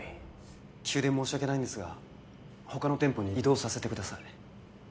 急で申し訳ないんですが他の店舗に異動させてください。